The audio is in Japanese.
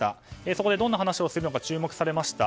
そこでどんな話をするか注目されました。